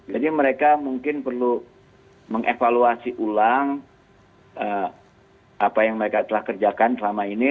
jadi mereka mungkin perlu mengevaluasi ulang apa yang mereka telah kerjakan selama ini